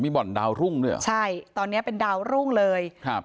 บ่อนดาวรุ่งด้วยเหรอใช่ตอนเนี้ยเป็นดาวรุ่งเลยครับ